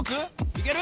いける？